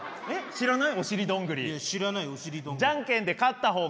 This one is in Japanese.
知らない？